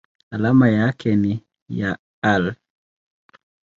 Alama yake ni Al.